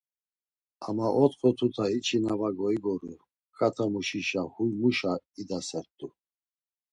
Ama otxo tuta hiçi na var goigoru ǩatamuşişa huy muşa idasert̆u?